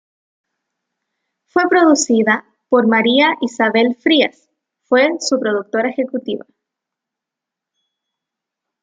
Fue producida por María Isabel Frías fue su productora ejecutiva.